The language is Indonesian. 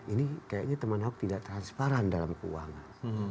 ini kayaknya teman ahok tidak transparan dalam keuangan